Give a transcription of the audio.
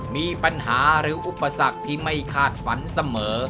มีปัญหาหรืออุปสรรคที่ไม่คาดฝันเสมอ